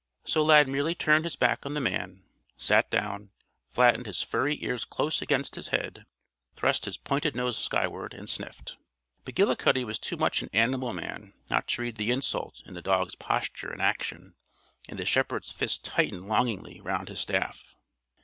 So Lad merely turned his back on the man, sat down, flattened his furry ears close against his head, thrust his pointed nose skyward, and sniffed. McGillicuddy was too much an animal man not to read the insult in the dog's posture and action, and the shepherd's fist tightened longingly round his staff.